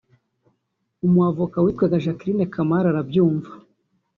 umu avocate witwaga Jacqueline Kamali arabyumva